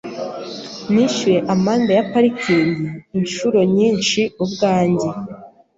Nishyuye amande ya parikingi inshuro nyinshi ubwanjye.